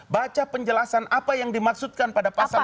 baca penjelasan apa yang dimaksudkan pada pasal dua puluh delapan ayat tiga